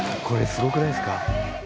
これすごくないですか？